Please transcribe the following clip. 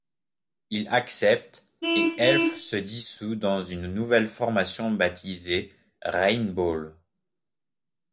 Ils acceptent et Elf se dissout dans une nouvelle formation, baptisée Rainbow.